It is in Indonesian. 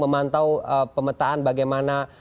memantau pemetaan bagaimana